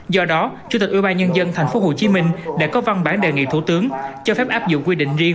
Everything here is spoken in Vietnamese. do đó chủ tịch ủy ban nhân dân tp hcm đã có văn bản đề nghị thủ tướng cho phép áp dụng quy định riêng